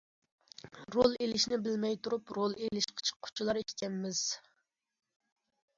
رول ئېلىشنى بىلمەي تۇرۇپ رول ئېلىشقا چىققۇچىلار ئىكەنمىز!